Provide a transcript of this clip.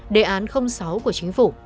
đề án sáu của chính phủ